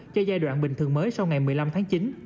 cho giai đoạn bình thường mới sau ngày một mươi năm tháng chín